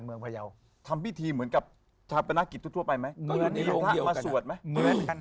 ผู้จะทำวิธีเหมือนกับธาคประณะกิจทุกไปไหม